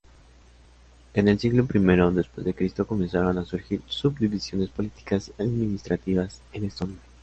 En el siglo I dC comenzaron a surgir subdivisiones políticas y administrativas en Estonia.